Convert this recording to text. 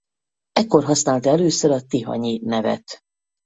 Ekkor használta először a Tihanyi nevet.